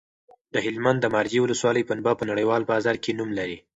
د هلمند د مارجې ولسوالۍ پنبه په نړیوال بازار کې نوم لري.